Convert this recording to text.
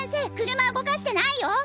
車動かしてないよ。